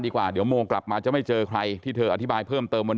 กว่าเดี๋ยวโมงกลับมาจะไม่เจอใครที่เธออธิบายเพิ่มเติมวัน